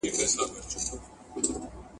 که ماشوم بیا وخاندي، انا به خوشحاله شي.